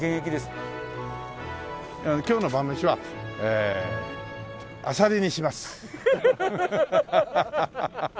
今日の晩飯はえーあさりにします。